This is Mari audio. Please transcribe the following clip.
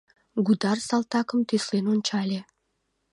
Гудар салтакым тӱслен ончале.